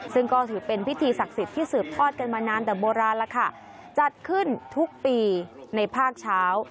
ซึ่งก็ถือเป็นพิธีศักดิ์สิทธิ์ที่สืบทอดกันมานานแต่โบราณแล้วค่ะจัดขึ้นทุกปีในภาคเช้า